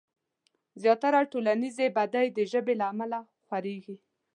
زياتره ټولنيزې بدۍ د ژبې له امله خورېږي.